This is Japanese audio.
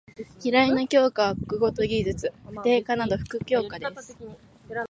嫌いな教科は国語と技術・家庭科など副教科です。